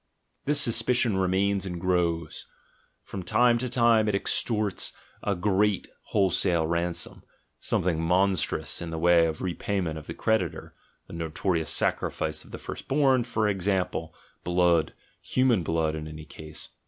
This suspicion "GUILT" AND "BAD CONSCIENCE" S3 remains and grows: from time to time it extorts a great wholesale ransom, something monstrous in the way of re payment of the creditor (the notorious sacrifice of the first born, for example, blood, human blood in any case).